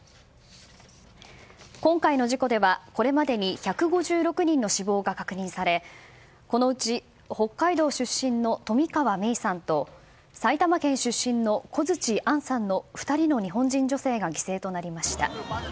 今回の事故では、これまでに１５６人の死亡が確認されこのうち北海道出身の冨川芽生さんと埼玉県出身の小槌杏さんの２人の日本人女性が犠牲となりました。